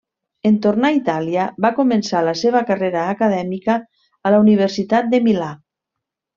En tornar a Itàlia, va començar la seva carrera acadèmica a la Universitat de Milà.